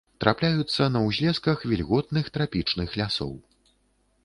Трапляюцца на ўзлесках вільготных трапічных лясоў.